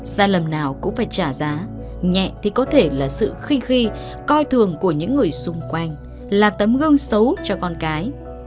gia lâm nào cũng phải trả giá nhẹ thì có thể là sự khinh khí coi thường của những người xung quanh là tấm gương xấu cho con cái